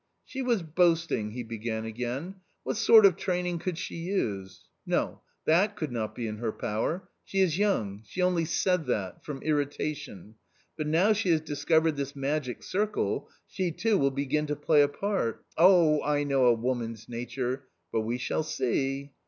" She was boasting," he began again, " what sort of training could she use ? no, that could not be in her power ; she is young ! she only said that .... from irritation ; but now she has discovered this magic circle, she too will begin to play a part .... oh, I know a woman's nature ! But we shall see.''